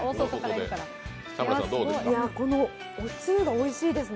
このおつゆがおいしいですね。